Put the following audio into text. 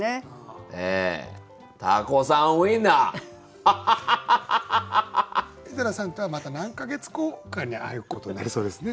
井戸田さんとはまた何か月後かに会うことになりそうですね。